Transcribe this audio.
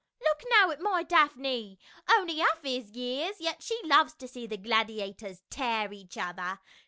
" Look now at my Daphne, only half his years, yet she loves to see the gladiators tear each other.